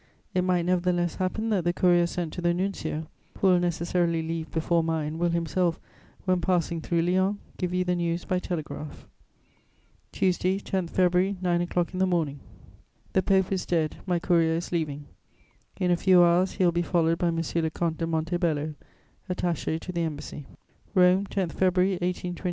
It might nevertheless happen that the courier sent to the Nuncio, who will necessarily leave before mine, will himself, when passing through Lyons, give you the news by telegraph." [Sidenote: Death of Leo XII.] "Tuesday, 10 February, nine o'clock in the morning. "The Pope is dead; my courier is leaving. In a few hours he will be followed by M. le Comte de Montebello, attaché to the Embassy." ROME, 10 February 1829.